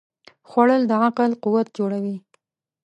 خوړل د عقل قوت جوړوي